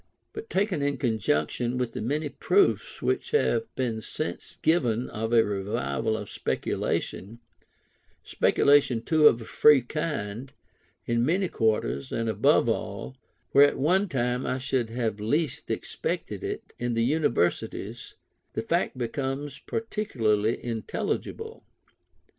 But taken in conjunction with the many proofs which have since been given of a revival of speculation, speculation too of a free kind, in many quarters, and above all (where at one time I should have least expected it) in the Universities, the fact becomes partially intelligible.